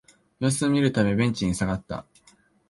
様子を見るためベンチに下がった